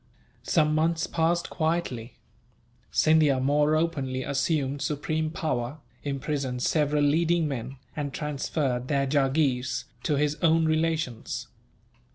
Some months passed quietly. Scindia more openly assumed supreme power, imprisoned several leading men, and transferred their jagheers to his own relations.